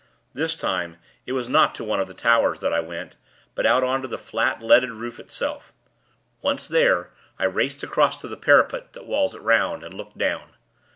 This time, it was not to one of the towers, that I went; but out on to the flat, leaded roof itself. Once there, I raced across to the parapet, that walls it 'round, and looked down.